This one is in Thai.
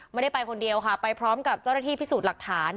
ไม่ได้ไปคนเดียวค่ะไปพร้อมกับเจ้าหน้าที่พิสูจน์หลักฐาน